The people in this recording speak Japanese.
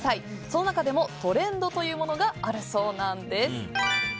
その中でもトレンドというものがあるそうなんです。